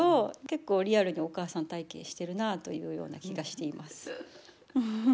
結構リアルにお母さん体験してるなというような気がしています。